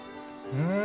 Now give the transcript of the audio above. うん。